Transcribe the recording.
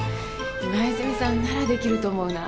今泉さんならできると思うな。